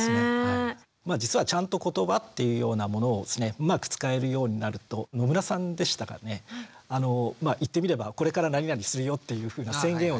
まあ実はちゃんと言葉っていうようなものをうまく使えるようになると野村さんでしたかね言ってみれば「これから何々するよ」っていうふうに宣言をする。